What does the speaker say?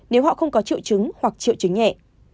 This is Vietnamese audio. nếu họ không có triệu chứng hoặc triệu chứng nhẹ